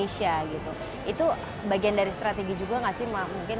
shirokuma berasal dari bahasa jepang yang berarti beruang putih